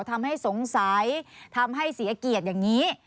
ทำให้สงสัยทำให้เสียเกียรติอย่างนี้